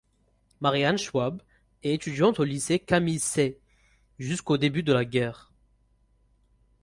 Marianne Schwab est étudiante au Lycée Camille Sée jusqu'au début de la guerre.